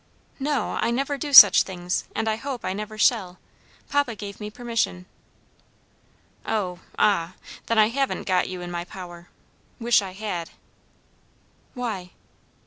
"No, I never do such things, and hope I never shall; papa gave me permission." "Oh; ah! then I haven't got you in my power: wish I had." "Why?"